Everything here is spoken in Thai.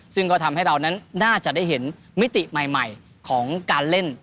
ซึ่งก็ทำให้เรานั้นน่าจะได้เห็นมิติใหม่ของการเล่น